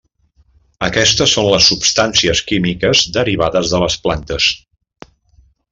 Aquest són les substàncies químiques derivades de les plantes.